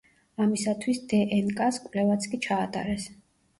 ამისათვის დნკ–ას კვლევაც კი ჩაატარეს.